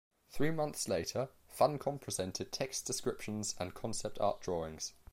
Three months later, Funcom presented text descriptions and concept art drawings.